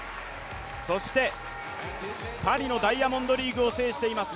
そしてパリのダイヤモンドリーグを制しています